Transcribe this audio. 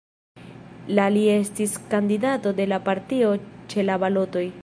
La li estis kandidato de la partio ĉe la balotoj.